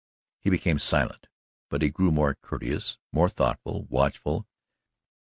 He became silent, but he grew more courteous, more thoughtful watchful.